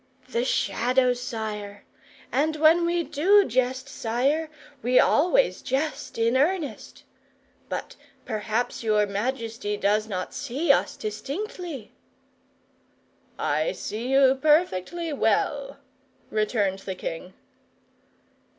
"The Shadows, sire. And when we do jest, sire, we always jest in earnest. But perhaps your majesty does not see us distinctly." "I see you perfectly well," returned the king.